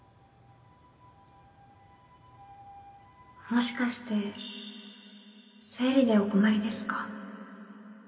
もしかして生理でお困りですか？